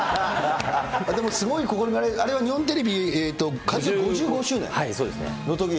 でもすごい試み、あれは日本テレビ開局５５周年のとき。